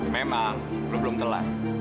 memang lu belum telat